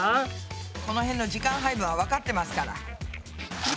このへんの時間配分はわかってますから。